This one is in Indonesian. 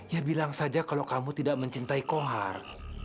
ya bilang saja kalau kamu tidak mencintai kohar